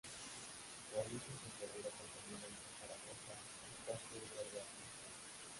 Realiza el recorrido comprendido entre Zaragoza y Cuarte de Huerva, en España.